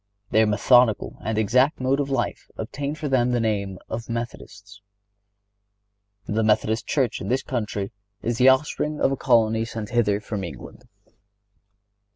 Their methodical and exact mode of life obtained for them the name of Methodists. The Methodist Church in this country is the offspring of a colony sent hither from England.